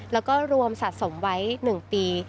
แล้วก็รวมสะสมไว้๑ปี